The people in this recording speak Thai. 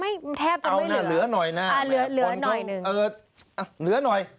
แทบจะไม่เหลืออ่าเหลือหน่อยหนึ่งเออเหลือหน่อย